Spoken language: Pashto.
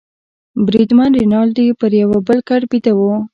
بریدمن رینالډي پر یوه بل کټ بیده وو.